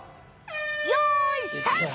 よいスタート！